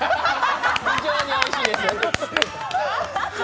非常においしいです。